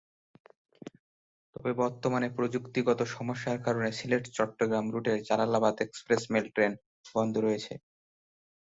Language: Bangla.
তবে বর্তমানে প্রযুক্তিগত সমস্যার কারণে সিলেট-চট্টগ্রাম রুটের জালালাবাদ এক্সপ্রেস মেল ট্রেন বন্ধ রয়েছে।